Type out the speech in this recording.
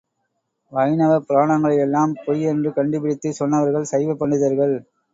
வைணவப் புராணங்ளையெல்லாம் பொய் என்று கண்டு பிடித்துச் சொன்னவர்கள் சைவப் பண்டிதர்கள்.